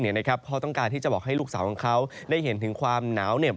เพราะต้องการที่จะบอกให้ลูกสาวของเขาได้เห็นถึงความหนาวเหน็บ